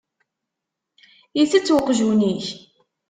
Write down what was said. Itett uqjun-ik?